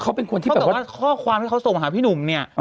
เขาเป็นคนที่แบบว่าข้อความที่เขาส่งมาหาพี่หนุ่มเนี่ย